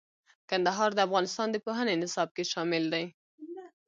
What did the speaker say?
کندهار د افغانستان د پوهنې نصاب کې شامل دي.